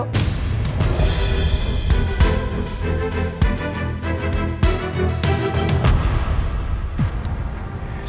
tetap kogiam yourself kepada youtube dari youtube wihoom